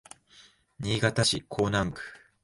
新潟市江南区